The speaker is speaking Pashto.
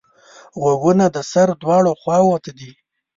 غوږونه د سر دواړو خواوو ته دي